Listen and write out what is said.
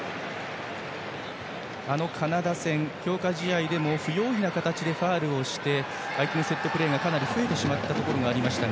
カナダ戦強化試合でも不用意な形でファウルをして相手のセットプレーがかなり増えてしまったところがありました。